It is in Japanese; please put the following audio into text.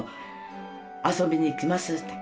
遊びに行きます」って。